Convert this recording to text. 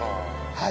はい。